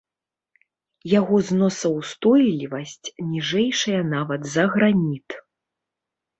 Яго зносаўстойлівасць ніжэйшая нават за граніт.